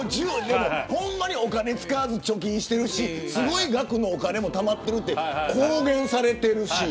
ほんまにお金使わず貯金してるしすごい額のお金もたまってると公言されてるし。